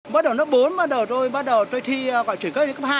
bắt đầu lớp bốn bắt đầu rồi bắt đầu tôi thi quả chuyển cơ điên cấp hai